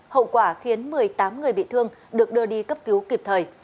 hậu quả khiến một mươi tám người bị thương được đưa đi cấp cứu kịp thời